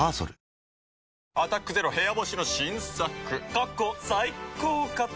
過去最高かと。